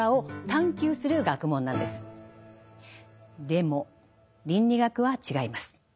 でも倫理学は違います。